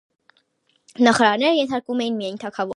Նախարարները ենթարկվում էին միայն թագավորին։